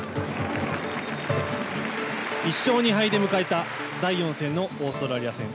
１勝２敗で迎えた第４戦のオーストラリア戦。